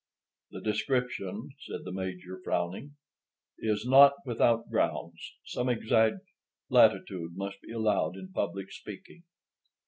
"The description," said the Major, frowning, "is—not without grounds. Some exag—latitude must be allowed in public speaking."